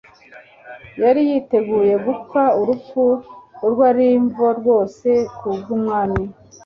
Yari yiteguye gupfa urupfu urwo ari nvo rwose kubw'Umwami.